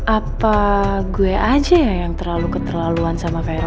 apa gue aja yang terlalu keterlaluan sama vero